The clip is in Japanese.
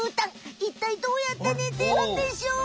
いったいどうやって寝てるんでしょう？